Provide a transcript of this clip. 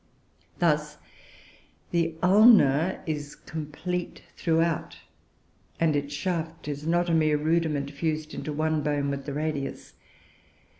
Thus the ulna is complete throughout, and its shaft is not a mere rudiment, fused into one bone with the radius.